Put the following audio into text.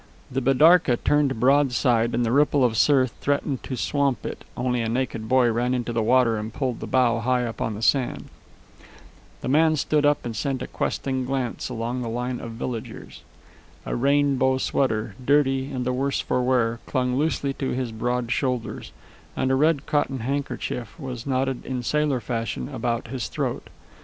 The bidarka turned broadside and the ripple of surf threatened to swamp it, only a naked boy ran into the water and pulled the bow high up on the sand. The man stood up and sent a questing glance along the line of villagers. A rainbow sweater, dirty and the worse for wear, clung loosely to his broad shoulders, and a red cotton handkerchief was knotted in sailor fashion about his throat.